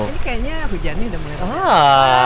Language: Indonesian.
ini kayaknya hujannya sudah mulai